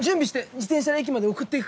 自転車で駅まで送っていくから。